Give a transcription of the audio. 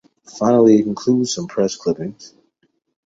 Finally, it includes some press clippings.